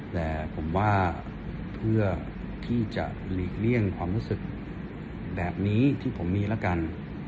แต่ผมว่าเพื่อที่จะหลีกเลี่ยงความรู้สึกแบบนี้ที่ผมมีละกัน